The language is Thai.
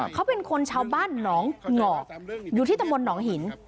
เขาเป็นคนชาวบ้านน้องเหงาอยู่ที่ตะมนต์หนองหิน